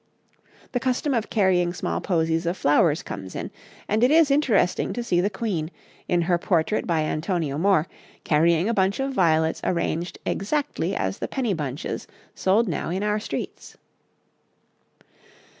The custom of carrying small posies of flowers comes in, and it is interesting to see the Queen, in her portrait by Antonio More, carrying a bunch of violets arranged exactly as the penny bunches sold now in our streets.